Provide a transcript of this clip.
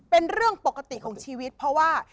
เป็นเรื่องปกติของชีวิตเพราะว่า